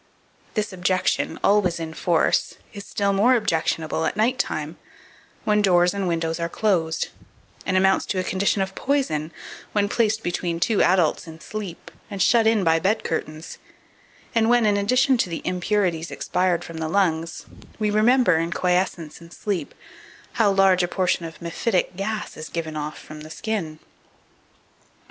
This objection, always in force, is still more objectionable at night time, when doors and windows are closed, and amounts to a condition of poison, when placed between two adults in sleep, and shut in by bed curtains; and when, in addition to the impurities expired from the lungs, we remember, in quiescence and sleep, how large a portion of mephitic gas is given off from the skin.